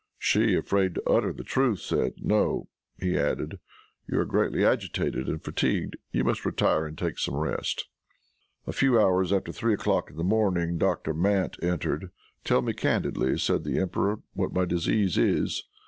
She, afraid to utter the truth, said, "No." He added, "You are greatly agitated and fatigued. You must retire and take some rest." A few hours after three o'clock in the morning, Dr. Mandt entered. "Tell me candidly," said the emperor, "what my disease is.